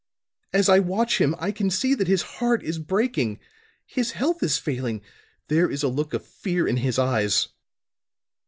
As I watch him I can see that his heart is breaking; his health is failing, there is a look of fear in his eyes."